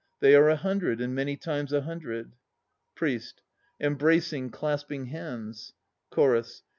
They are a hundred, And many times a hundred. PRIEST. Embracing, clasping hands ... CHORUS.